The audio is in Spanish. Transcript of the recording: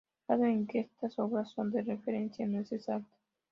El grado en que estas obras son de referencia no es exacta.